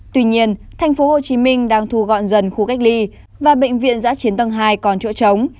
tuy nhiên tp hcm đang thu gọn dần khu cách ly và bệnh viện giã chiến tầng hai còn chỗ trống